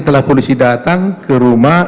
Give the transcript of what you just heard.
setelah polisi datang ke rumah